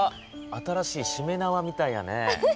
新しいしめなわみたいやね。